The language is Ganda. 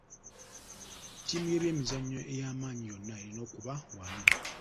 Ttiimu y'ebyemizannyo ey'amaanyi yonna erina okuba wamu.